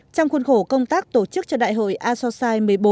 trong khuôn khổ công tác tổ chức cho đại hội asosai một mươi bốn